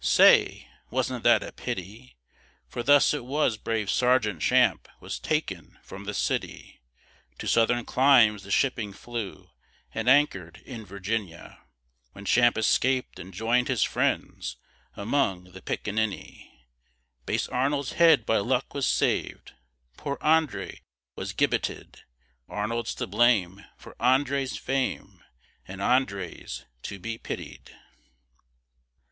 Say! wasn't that a pity? For thus it was brave Sergeant Champe Was taken from the city. To southern climes the shipping flew, And anchored in Virginia, When Champe escaped and join'd his friends Among the picininni. Base Arnold's head, by luck, was sav'd, Poor André was gibbeted; Arnold's to blame for André's fame, And André's to be pitied.